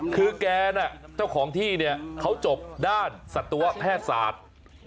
คือแกน่ะเจ้าของที่เนี่ยเขาจบด้านสัตวแพทย์ศาสตร์